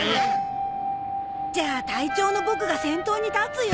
じゃあ隊長のボクが先頭に立つよ。